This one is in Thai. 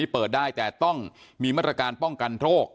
เปิดได้แต่ต้องมีมาตรการป้องกันโรค